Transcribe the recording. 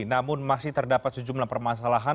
namun masih terdapat sejumlah permasalahan